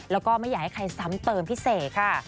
แล้วก็ไม่อยากให้ใครซ้ำเติมพี่เสกค่ะ